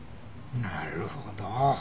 なるほど。